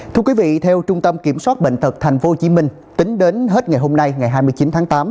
thưa quý vị theo trung tâm kiểm soát bệnh tật tp hcm tính đến hết ngày hôm nay ngày hai mươi chín tháng tám